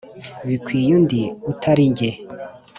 Bikwiye undi utali jye